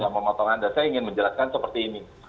bung boni saya ingin menjelaskan seperti ini